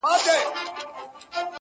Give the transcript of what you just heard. کټ یې مات کړ هر څه ولوېدل د لاندي٫